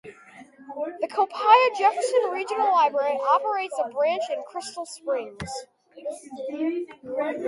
The Copiah-Jefferson Regional Library operates a branch in Crystal Springs.